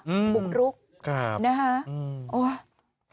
อืมบุกลุกครับนะฮะอืมโอ๊ย